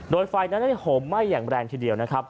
โดยไฟนั้นได้โห้ไหม้แรงที่เดียว